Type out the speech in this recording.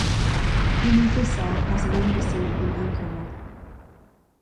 Guinea Bissau has an embassy in Ankara.